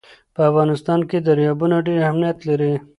په افغانستان کې دریابونه ډېر اهمیت لري.